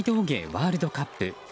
ワールドカップ。